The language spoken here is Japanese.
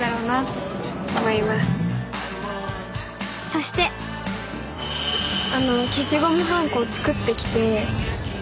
そして消しゴムはんこを作ってきて。